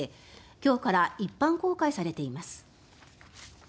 今日から一般公開されています。